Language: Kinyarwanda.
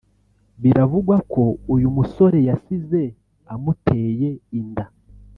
biravugwa ko uyu musore yasize amuteye inda